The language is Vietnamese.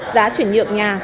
giá chuyển nhượng nhà